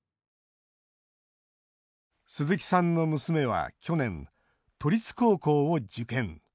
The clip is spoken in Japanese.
鈴木さんの娘は去年都立高校を受験。